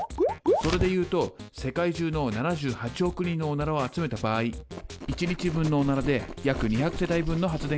それで言うと世界中の７８億人のオナラを集めた場合１日分のオナラで約２００世帯分の発電が可能。